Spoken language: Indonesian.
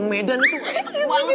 medan itu enak banget